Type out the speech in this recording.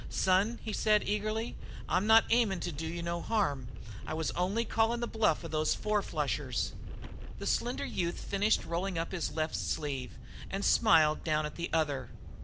"Son," he said eagerly, "I'm not aiming to do you no harm. I was only calling the bluff of those four flushers." The slender youth finished rolling up his left sleeve and smiled down at the other.